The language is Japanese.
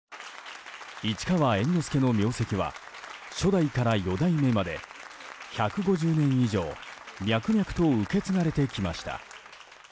市川猿之助の名跡は初代から四代目まで１５０年以上脈々と受け継がれてきました。